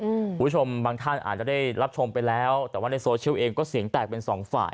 คุณผู้ชมบางท่านอาจจะได้รับชมไปแล้วแต่ว่าในโซเชียลเองก็เสียงแตกเป็นสองฝ่าย